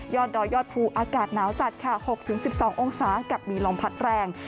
ดอยยอดภูอากาศหนาวจัดค่ะ๖๑๒องศากับมีลมพัดแรง